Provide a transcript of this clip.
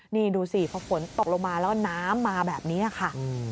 นี่ดูสิพอฝนตกลงมาแล้วก็น้ำมาแบบนี้ค่ะ